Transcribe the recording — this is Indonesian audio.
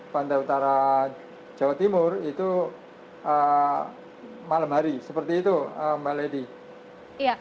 pantai utara jawa timur itu malam hari seperti itu mbak lady